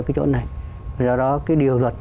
cái chỗ này do đó cái điều luật